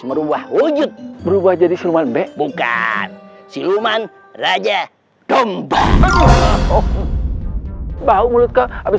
merubah wujud berubah jadi semua mbak bukan siluman raja domba arabic bau mulut kau habis